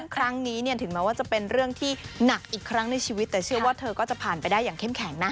ครั้งนี้ถึงแม้ว่าจะเป็นเรื่องที่หนักอีกครั้งในชีวิตแต่เชื่อว่าเธอก็จะผ่านไปได้อย่างเข้มแข็งนะ